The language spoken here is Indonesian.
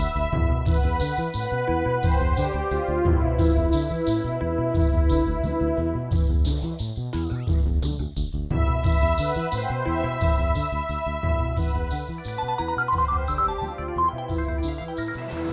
mereka harus memnasrup dominan